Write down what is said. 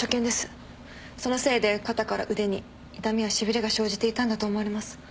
そのせいで肩から腕に痛みやしびれが生じていたんだと思われます。